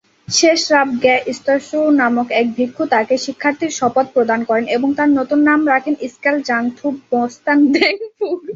শেস-রাব-র্গ্যা-ম্ত্শো নামক এক ভিক্ষু তাকে শিক্ষার্থীর শপথ প্রদান করেন ও তার নতুন নাম রাখেন স্কাল-ব্জাং-থুব-ব্স্তান-দ্বাং-ফ্যুগ।